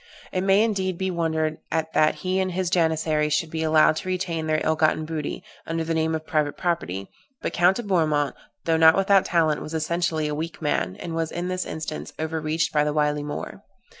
It may, indeed, be wondered at that he and his Janissaries should be allowed to retain all their ill gotten booty, under the name of private property; but Count de Bourmont, though not without talent, was essentially a weak man, and was in this instance overreached by the wily Moor.